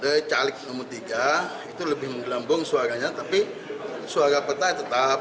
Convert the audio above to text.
dari caleg nomor tiga itu lebih menggelembung suaranya tapi suara peta tetap